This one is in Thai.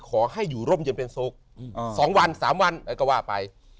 ขอให้อยู่ร่มเย็นเป็นโศก๒๓วันแล้วก็ว่าไป